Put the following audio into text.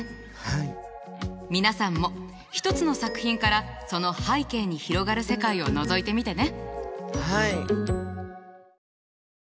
皆さんも一つの作品からその背景に広がる世界をのぞいてみてね。